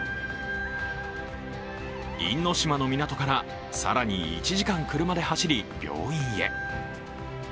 因島の港から更に１時間、車で走り病院へ。